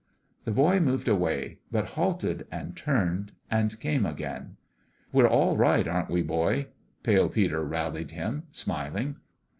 The boy moved away but halted and turned and came again. "We're all right, aren't we, boy?" Pale Peter rallied him, smiling.